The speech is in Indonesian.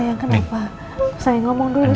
jangan lupa share like and subscribe